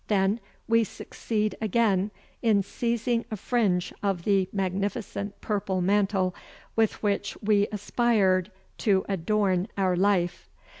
Then we succeed again in seizing a fringe of the magnificent purple mantle with which we aspired to adorn our life.